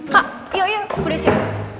kak yuk yuk udah siap